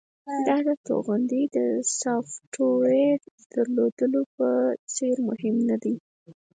دا د توغندي د سافټویر درلودلو په څیر مهم ندی